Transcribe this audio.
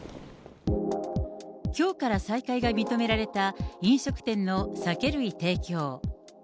きょうから再開が認められた、飲食店の酒類提供。